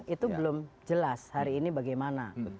itu belum jelas hari ini bagaimana